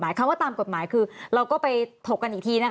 คำว่าตามกฎหมายคือเราก็ไปถกกันอีกทีนะคะ